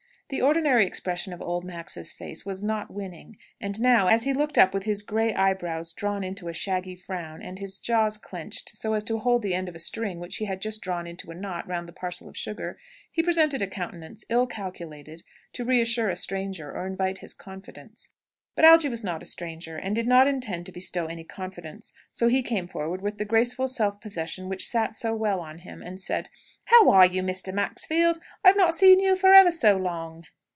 The ordinary expression of old Max's face was not winning; and now, as he looked up with his grey eyebrows drawn into a shaggy frown, and his jaws clenched so as to hold the end of a string which he had just drawn into a knot round the parcel of sugar, he presented a countenance ill calculated to reassure a stranger or invite his confidence. But Algy was not a stranger, and did not intend to bestow any confidence, so he came forward with the graceful self possession which sat so well on him, and said, "How are you, Mr. Maxfield? I have not seen you for ever so long!"